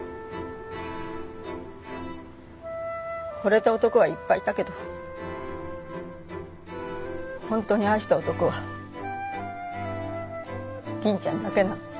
惚れた男はいっぱいいたけど本当に愛した男は銀ちゃんだけなの。